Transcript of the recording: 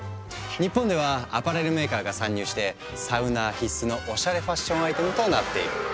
日本ではアパレルメーカーが参入してサウナー必須のおしゃれファッションアイテムとなっている。